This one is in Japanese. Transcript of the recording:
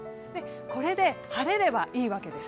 これで晴れればいいわけです。